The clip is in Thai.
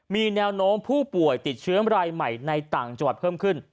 มีแนวโน้มผู้ป่วยติดเชื้อรายใหม่ในต่างจังหวัดเพิ่มขึ้น